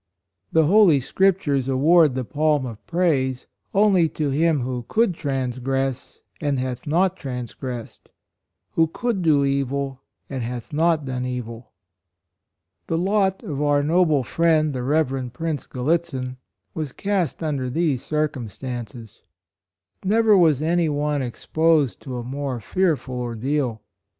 The holy Scriptures award the palm of praise only to him who could trans gress and hath not transgressed; who could do evil and hath not done evil." The lot of our noble friend, the Rev. Prince Gallitzin, was cast un der these circumstances. Never was any one exposed to a more fearful ordeal.